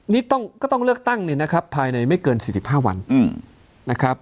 นี่ก็ต้องเลือกตั้งเนี่ยนะครับภายในไม่เกิน๔๕วันนะครับ